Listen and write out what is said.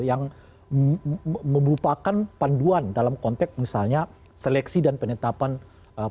yang merupakan panduan dalam konteks misalnya seleksi dan penetapan pasangan calon gitu